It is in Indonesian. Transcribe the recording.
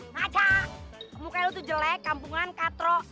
nacak mukanya lo tuh jelek kampungan katrok